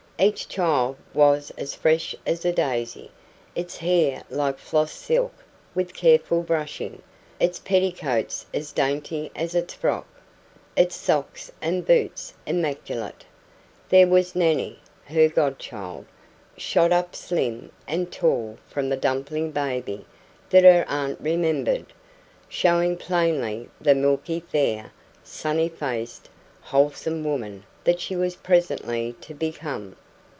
Each child was as fresh as a daisy, its hair like floss silk with careful brushing, its petticoats as dainty as its frock, its socks and boots immaculate. There was Nannie, her godchild, shot up slim and tall from the dumpling baby that her aunt remembered, showing plainly the milky fair, sunny faced, wholesome woman that she was presently to become.